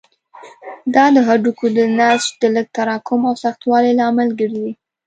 دا د هډوکو د نسج د لږ تراکم او سختوالي لامل ګرځي.